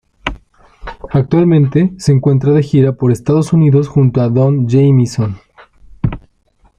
Actualmente, se encuentra de gira por Estados Unidos junto a Don Jamieson.